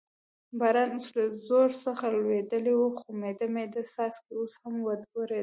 باران اوس له زور څخه لوېدلی و، خو مېده مېده څاڅکي اوس هم ورېدل.